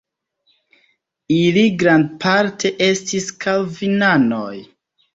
Ili grandparte estis kalvinanoj.